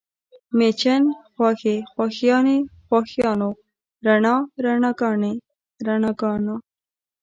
مېچن، خواښې، خواښیانې، خواښیانو، رڼا، رڼاګانې، رڼاګانو